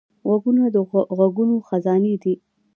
غوږونه د غږونو خزانې دي